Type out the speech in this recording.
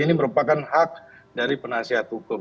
ini merupakan hak dari penasihat hukum